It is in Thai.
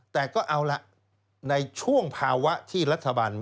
แต่ก็เอาละในช่วงภาวะที่รัฐบาล